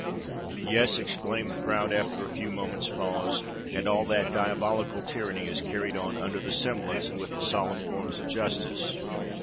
"Yes," exclaimed Prout, after a few moments' pause, "and all that diabolical tyranny is carried on under the semblance and with the solemn forms of justice.